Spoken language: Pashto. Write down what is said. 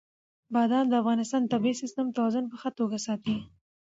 بادام د افغانستان د طبعي سیسټم توازن په ښه توګه ساتي.